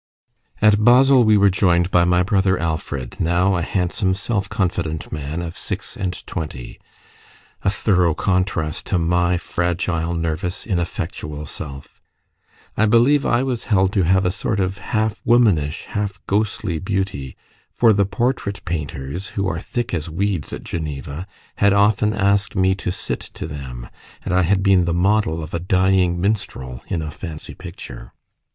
At Basle we were joined by my brother Alfred, now a handsome, self confident man of six and twenty a thorough contrast to my fragile, nervous, ineffectual self. I believe I was held to have a sort of half womanish, half ghostly beauty; for the portrait painters, who are thick as weeds at Geneva, had often asked me to sit to them, and I had been the model of a dying minstrel in a fancy picture.